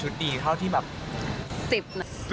เท่าที่แบบ๑๐หน่ะ